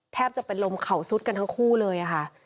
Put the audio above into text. แทบจะเป็นลมเข่าซุดกันทั้งคู่เลยค่ะ